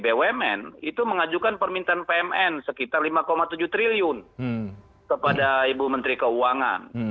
bumn itu mengajukan permintaan pmn sekitar lima tujuh triliun kepada ibu menteri keuangan